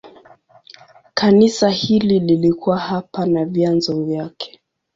Kanisa hili lilikuwa hapa na vyanzo vyake.